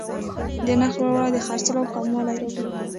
د نرخ لوړوالی د خرڅلاو کموالی راولي.